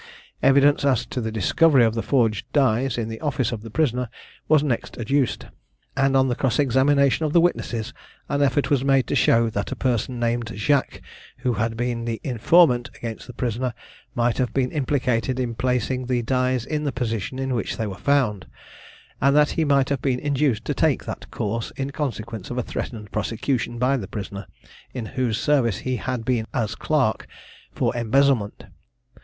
Evidence as to the discovery of the forged dies, in the office of the prisoner, was next adduced; and on the cross examination of the witnesses, an effort was made to show that a person named Jacques, who had been the informant against the prisoner, might have been implicated in placing the dies in the position in which they were found, and that he might have been induced to take that course, in consequence of a threatened prosecution by the prisoner, in whose service he had been as clerk, for embezzlement.